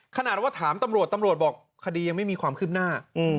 ขนาดว่าถามตำรวจตำรวจบอกคดียังไม่มีความคืบหน้า